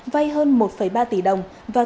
vay hơn một ba tỷ đồng